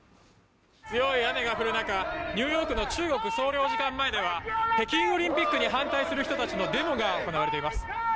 強い雨が降る中、ニューヨークの中国総領事館前では北京オリンピックに反対する人たちのデモが行われています。